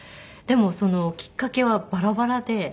でもそのきっかけはバラバラで。